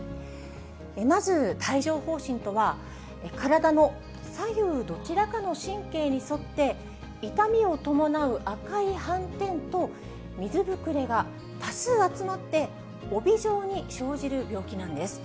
まず帯状ほう疹とは、体の左右どちらかの神経に沿って、痛みを伴う赤い斑点と水ぶくれが多数集まって、帯状に生じる病気なんです。